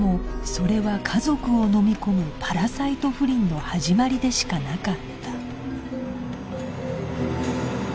それは家族をのみ込むパラサイト不倫の始まりでしかなかった